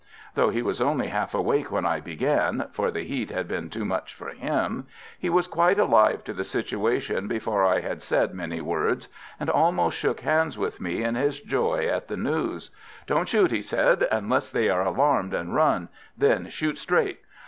Though he was only half awake when I began for the heat had been too much for him he was quite alive to the situation before I had said many words, and almost shook hands with me in his joy at the news. "Don't shoot," he said, "unless they are alarmed and run, then shoot straight.